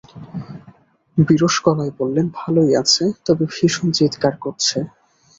বিরস গলায় বললেন, ভালোই আছে, তবে ভীষণ চিৎকার করছে।